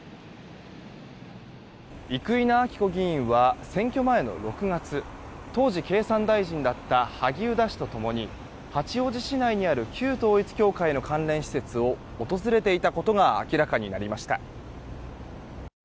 生稲晃子議員は選挙前の６月当時、経産大臣だった萩生田氏と共に八王子市内にある旧統一教会の関連施設を訪れていたことが明らかになりました。